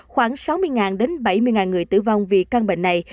khoảng sáu mươi đến bảy mươi người tử vong vì căn bệnh này